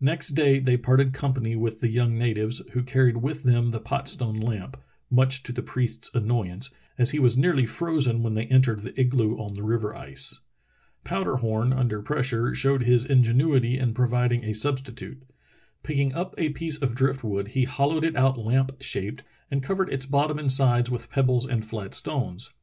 Next day they parted company with the young na tives, who carried with them the pot stone lamp, much to the priest's annoyance, as he was nearly frozen when they entered the igloo on the river ice. Powder Horn The Missionary's Arctic Trail 307 under pressure showed his ingenuity in providing a sub stitute. Picking up a piece of drift wood, he hollowed it out lamp shaped, and covered its bottom and sides with pebbles and flat stones.